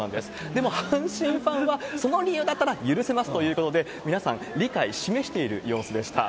でも阪神ファンは、その理由だったら許せますということで、皆さん、理解示している様子でした。